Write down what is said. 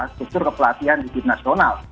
struktur kepelatihan di tim nasional